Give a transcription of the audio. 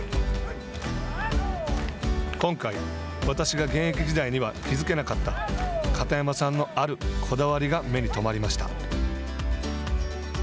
今回、私が現役時代には気付けなかった片山さんのあるこだわりが目に留まりました。